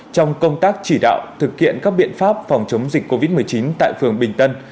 trong công tác chỉ đạo thực hiện các biện pháp phòng chống dịch covid một mươi chín tại phường bình tân